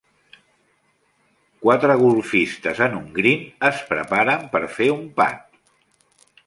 Quatre golfistes en un green es preparen per fer un putt.